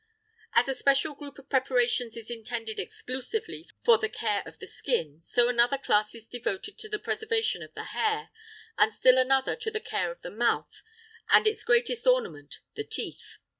As a special group of preparations is intended exclusively for the care of the skin, so another class is devoted to the preservation of the hair, and still another to the care of the mouth and its greatest ornament, the teeth.